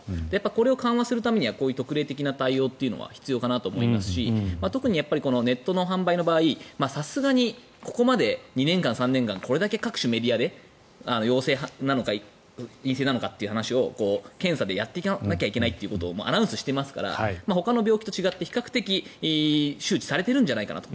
これを緩和するためには特例的な対応というのは必要かなと思いますし特にこのネットの販売の場合さすがにここまで２年間、３年間これだけ各種、メディアで陽性なのか陰性なのかって話を検査でやっていかなきゃいけないということをアナウンスしていますからほかの病気と違って比較的周知されてるんじゃないかと。